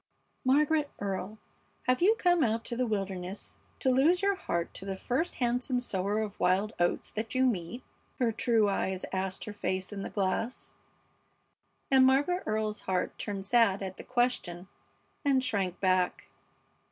"Margaret Earle, have you come out to the wilderness to lose your heart to the first handsome sower of wild oats that you meet?" her true eyes asked her face in the glass, and Margaret Earle's heart turned sad at the question and shrank back.